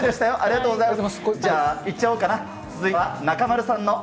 中丸さん。